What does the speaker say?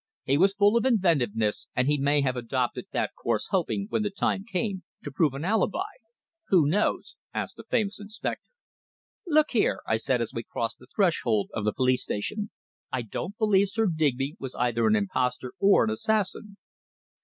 He was full of inventiveness, and he may have adopted that course hoping, when the time came, to prove an alibi. Who knows?" asked the famous inspector. "Look here!" I said as we crossed the threshold of the police station, "I don't believe Sir Digby was either an impostor or an assassin."